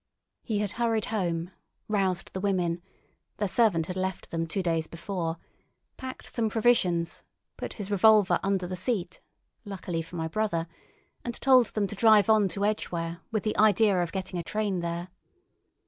He had hurried home, roused the women—their servant had left them two days before—packed some provisions, put his revolver under the seat—luckily for my brother—and told them to drive on to Edgware, with the idea of getting a train there.